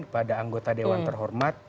kepada anggota dewan terhormat